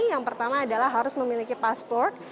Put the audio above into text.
yang pertama adalah harus memiliki pasport